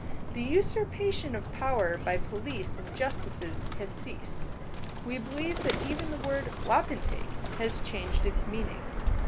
The usurpation of power by police and justices has ceased. We believe that even the word "wapentake" has changed its meaning.